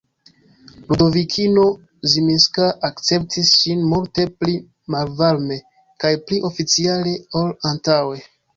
Ludovikino Zminska akceptis ŝin multe pli malvarme kaj pli oficiale, ol antaŭe.